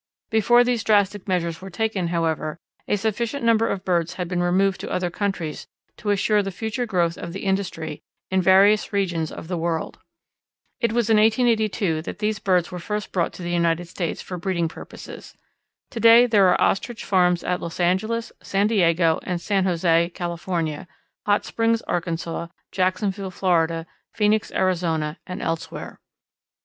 Before these drastic measures were taken, however, a sufficient number of birds had been removed to other countries to assure the future growth of the industry in various regions of the world. It was in 1882 that these birds were first brought to the United States for breeding purposes. To day there are Ostrich farms at Los Angeles, San Diego, and San José, California; Hot Springs, Arkansas; Jacksonville, Florida; Phoenix, Arizona, and elsewhere.